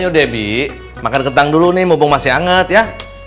ayo debby makan kentang dulu nih mumpung masih anget ya